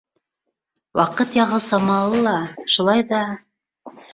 — Ваҡыт яғы самалы ла, шулай ҙа...